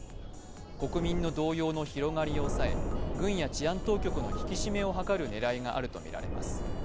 国民の動揺の広がりを抑え軍や治安当局の引き締めを図る狙いがあるとみられます。